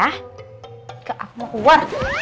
nggak aku mau keluar